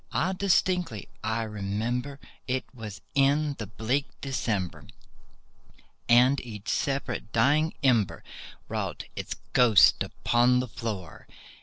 Ah, distinctly I remember, it was in the bleak December, And each separate dying ember wrought its ghost upon the floor.